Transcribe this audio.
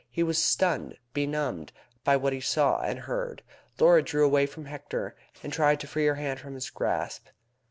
He was stunned, benumbed, by what he saw and heard. Laura drew away from Hector, and tried to free her hand from his grasp.